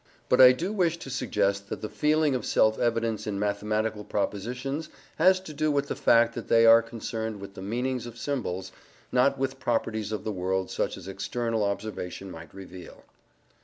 But I do wish to suggest that the feeling of self evidence in mathematical propositions has to do with the fact that they are concerned with the meanings of symbols, not with properties of the world such as external observation might reveal.